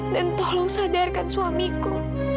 dan tolong sadarkan suamiku